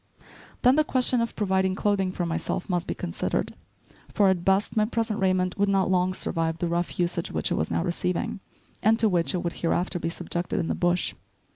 Then the question of providing clothing for myself must be considered, for, at best, my present raiment would not long survive the rough usage which it was now receiving, and to which it would hereafter be subjected in the bush.